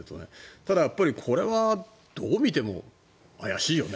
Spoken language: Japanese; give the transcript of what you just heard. ただ、これはどう見ても怪しいよね。